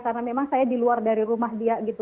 karena memang saya di luar dari rumah dia gitu